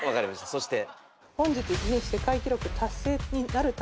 そして。